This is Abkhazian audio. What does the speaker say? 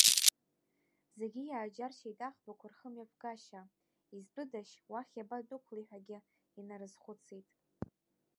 Зегьы иааџьаршьеит аӷбақәа рхымҩаԥгашьа, изтәыдашь, уахь иабадәықәлеи ҳәагьы инарызхәыцит.